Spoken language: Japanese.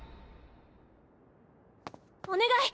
お願い！